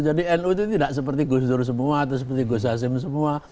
jadi nu itu tidak seperti gus dur semua atau seperti gus hasim semua